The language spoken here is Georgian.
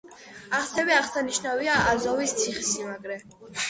ასევე აღსანიშნავია აზოვის ციხესიმაგრე.